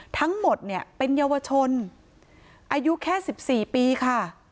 ทั้งหมดเนี่ยเป็นเยาวชนอายุแค่๑๔ปีค่ะ